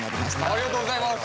ありがとうございます。